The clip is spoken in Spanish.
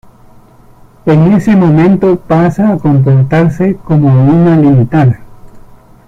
En ese momento pasa a comportarse como una limitada.